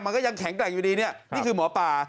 มันก็ยังแข็งแกร่งอยู่ดีเนี่ยนี่คือหมอป่า